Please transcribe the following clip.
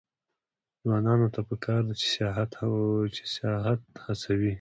ځوانانو ته پکار ده چې، سیاحت هڅوي.